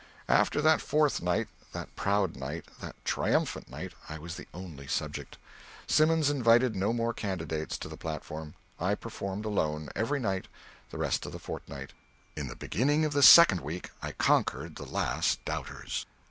After that fourth night, that proud night, that triumphant night, I was the only subject. Simmons invited no more candidates to the platform. I performed alone, every night, the rest of the fortnight. In the beginning of the second week I conquered the last doubters.